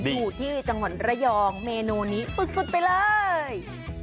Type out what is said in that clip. อยู่ที่จังหวัดระยองเมนูนี้สุดไปเลย